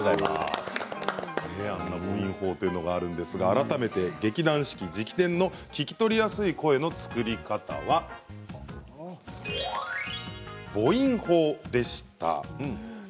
母音法というのがあるんですが改めて劇団四季直伝の聞き取りやすい声の作り方は母音法でした。